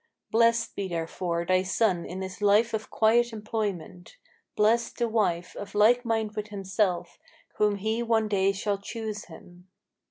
Blessed be therefore thy son in his life of quiet employment; Blessed the wife, of like mind with himself, whom he one day shall choose him."